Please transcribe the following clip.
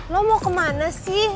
lo mau kemana sih